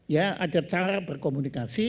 ya ada cara berkomunikasi